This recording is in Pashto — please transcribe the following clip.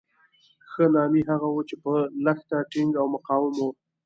ښه نامي هغه وو چې په لښته ټینګ او مقاوم وو.